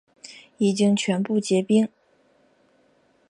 已经全部结冰